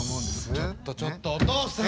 ちょっとちょっとお父さん！